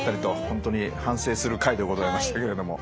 本当に反省する回でございましたけれども。